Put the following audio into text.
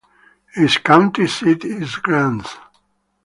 Its county seat is Grants.